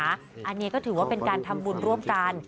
อันนี้ก็ถือว่าเป็นการทำบุญร่วมกัน